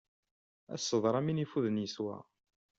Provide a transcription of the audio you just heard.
Ad as-teḍru am win ifuden yeswa.